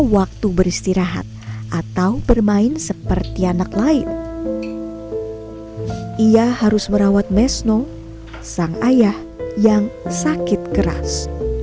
waktu beristirahat atau bermain seperti anak lain ia harus merawat mesno sang ayah yang sakit keras